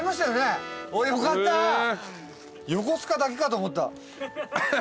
よかった。